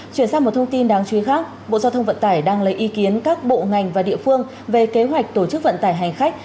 chuyển sang một thông tin đáng chú ý khác bộ giao thông vận tải đang lấy ý kiến các bộ ngành và địa phương về kế hoạch tổ chức vận tải hành khách